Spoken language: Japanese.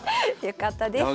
よかったです。